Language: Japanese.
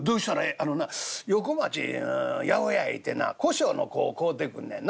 「あのな横町の八百屋へ行てな胡椒の粉を買うてくんねんな。